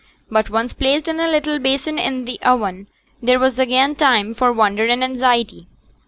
But once placed in a little basin in the oven, there was again time for wonder and anxiety.